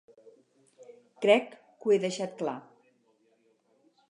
Crec que ho he deixat clar.